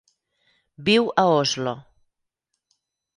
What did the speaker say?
Viu a Oslo.